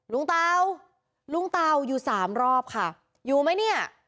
เตาลุงเตาอยู่สามรอบค่ะอยู่ไหมเนี่ย